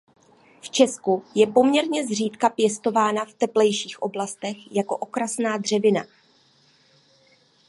V Česku je poměrně zřídka pěstována v teplejších oblastech jako okrasná dřevina.